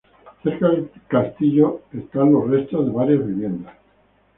Cerca del castillo hay los restos de varias viviendas.